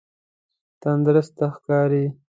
تندرسته ښکاری؟